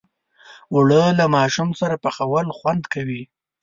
اوړه له ماشوم سره پخول خوند کوي